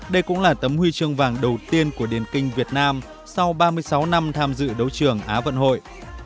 đây cũng là tấm huy chương vàng đầu tiên của điền kinh việt nam sau ba mươi sáu năm tham dự đấu trường á vận hội